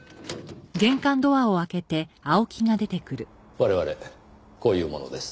我々こういう者です。